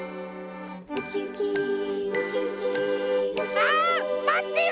ああまってよ！